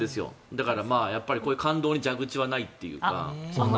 だから、こういう感動に蛇口はないというか。